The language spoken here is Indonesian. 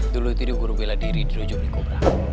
dulu itu dia guru bela diri dirujuk di kobra